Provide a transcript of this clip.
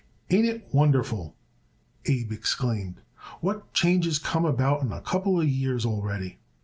"Ain't it wonderful," Abe exclaimed, "what changes comes about in a couple of years already!